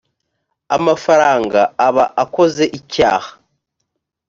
amafaranga aba akoze icyaha